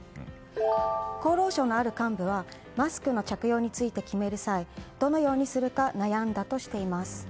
厚労省のある幹部はマスクの着用について決める際どのようにするか悩んだとしています。